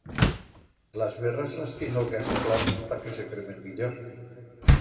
Las berras las tiengo que asclar ta que se cremen millor.